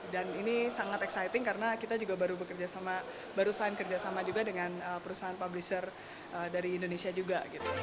dan ini sangat exciting karena kita juga baru bekerjasama baru selain kerjasama juga dengan perusahaan publisher dari indonesia juga